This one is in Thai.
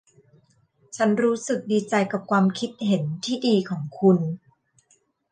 ฉันรู้สึกดีใจกับความคิดเห็นที่ดีของคุณ